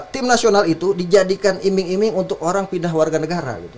tim nasional itu dijadikan iming iming untuk orang pindah warga negara